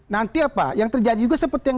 nanti apa yang terjadi juga seperti yang